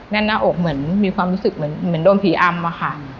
แน่นหน้าอกเหมือนมีความรู้สึกเหมือนโดนผีอำอะค่ะ